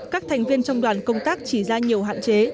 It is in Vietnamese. các thành viên trong đoàn công tác chỉ ra nhiều hạn chế